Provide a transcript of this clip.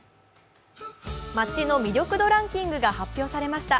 街の魅力度ランキングが発表されました